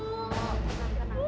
aduh sakit bu